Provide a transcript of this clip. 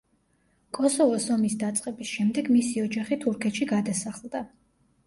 კოსოვოს ომის დაწყების შემდეგ მისი ოჯახი თურქეთში გადასახლდა.